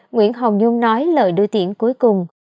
nguyễn hồng nhung nói lời đưa tiễn cuối cùng